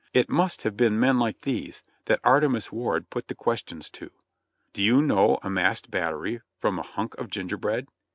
It must have been men like these that Artemus Ward put the questions to : "Do you know a masked battery from a hunk of gingerbread?